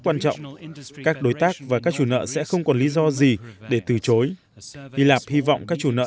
quan trọng các đối tác và các chủ nợ sẽ không còn lý do gì để từ chối hy lạp hy vọng các chủ nợ